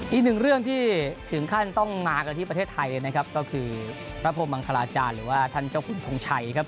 อีกหนึ่งเรื่องที่ถึงขั้นต้องมากันที่ประเทศไทยนะครับก็คือพระพรมมังคลาจารย์หรือว่าท่านเจ้าคุณทงชัยครับ